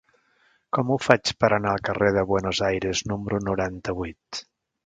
Com ho faig per anar al carrer de Buenos Aires número noranta-vuit?